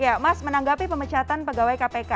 ya mas menanggapi pemecatan pegawai kpk